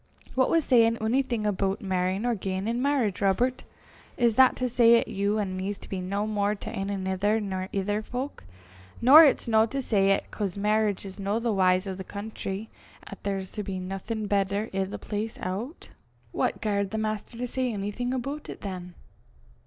"Wha was sayin' onything aboot merryin' or giein' in merriage, Robert? Is that to say 'at you an' me's to be no more to ane anither nor ither fowk? Nor it's no to say 'at, 'cause merriage is no the w'y o' the country, 'at there's to be naething better i' the place o' 't." "What garred the Maister say onything aboot it than?"